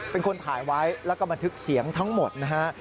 เป็นคนถ่ายไว้แล้วก็บันทึกเสียงทั้งหมดนะฮะ